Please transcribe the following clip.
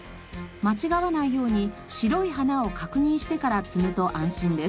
間違わないように白い花を確認してから摘むと安心です。